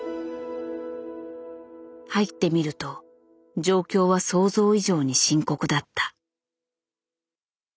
入ってみると状況は想像以上に深刻だった。